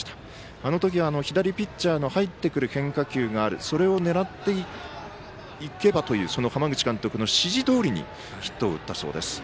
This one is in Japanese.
あの時、左ピッチャーの入ってくる変化球があるそれを狙っていけばという浜口監督の指示どおりに打っていったそうです。